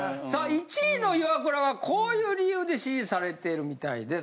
１位のイワクラはこういう理由で支持されているみたいです